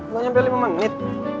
ga nyampe lima menit